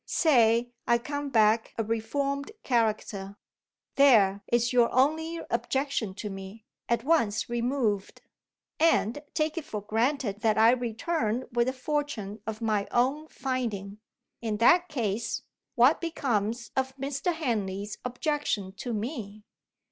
Say, I come back a reformed character; there is your only objection to me, at once removed! And take it for granted that I return with a fortune of my own finding. In that case, what becomes of Mr. Henley's objection to me?